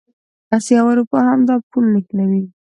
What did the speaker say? اسیا او اروپا همدا پل نښلوي.